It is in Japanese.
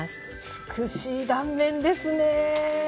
美しい断面ですね。